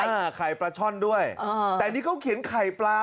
อ่าไข่ปลาช่อนด้วยแต่อันนี้เขาเขียนไข่ปลา